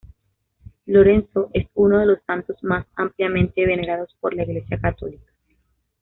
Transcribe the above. Lorenzo es uno de los santos más ampliamente venerados por la Iglesia católica.